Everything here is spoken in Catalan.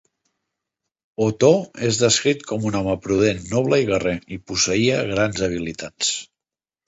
Otó és descrit com un home prudent noble i guerrer, i posseïa grans habilitats.